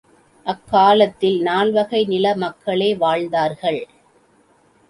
அக்காலத்தில் நால்வகை நில மக்களே வாழ்ந்தார்கள்.